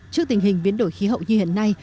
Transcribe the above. trước tình hình biến đổi khí hậu như hiện nay